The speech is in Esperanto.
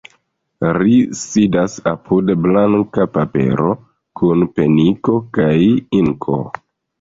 Ri sidas apud blanka papero, kun peniko kaj inko.